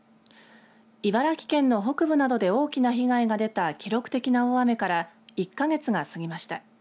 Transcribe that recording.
茨城県の北部などで大きな被害が出た記録的な大雨から１か月が過ぎました。